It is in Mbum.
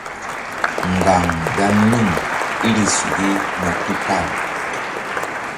Ŋgaŋ dan num iri suki na tupal.